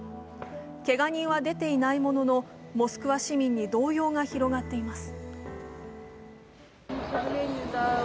けが人は出ていないもののモスクワ市民に動揺が広がっています。